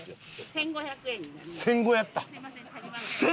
１５００円？